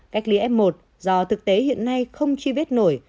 cách ly f một do thực tế hiện nay không truy vết nổi